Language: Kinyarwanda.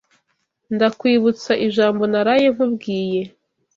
Ndakwibutsa ijambo Naraye nkubwiye